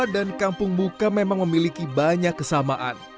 rawa dan kampung buka memang memiliki banyak kesamaan